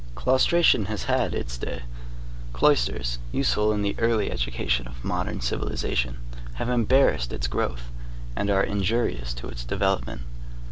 Claustration has had its day. Cloisters, useful in the early education of modern civilization, have embarrassed its growth, and are injurious to its development.